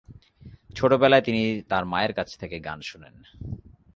ছোটবেলায় তিনি় তার মায়ের কাছ থেকে গান শিখেন।